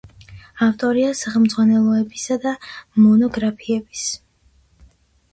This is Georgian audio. ავტორია სახელმძღვანელოებისა და მონოგრაფიების.